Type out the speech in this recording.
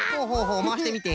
まわしてみて。